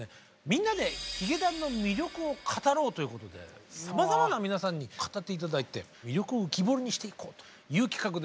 「みんなでヒゲダンの魅力を語ろう」ということでさまざまな皆さんに語って頂いて魅力を浮き彫りにしていこうという企画でございます。